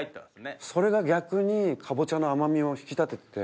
それが逆にかぼちゃの甘みを引き立ててて。